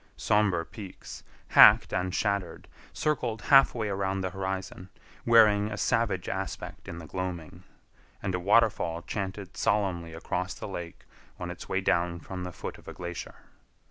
Somber peaks, hacked and shattered, circled half way around the horizon, wearing a savage aspect in the gloaming, and a waterfall chanted solemnly across the lake on its way down from the foot of a glacier.